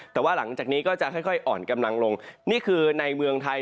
แต่ว่าหลังจากนี้ก็จะค่อยอ่อนกำลังลงนี่คือในเมืองไทย